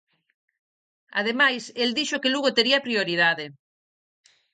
Ademais, el dixo que Lugo tería prioridade.